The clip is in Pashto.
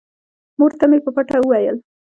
مور ته مې په پټه وويل.